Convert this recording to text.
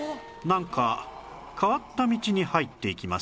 なんか変わった道に入っていきますね